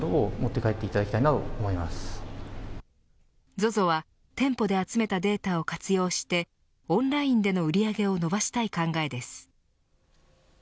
ＺＯＺＯは店舗で集めたデータを活用してオンラインでの売り上げを伸ばしたい考えです。